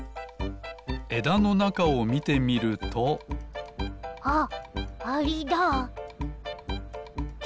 えだのなかをみてみるとあっアリだ！